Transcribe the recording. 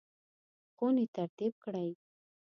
خونې ترتیب کړئ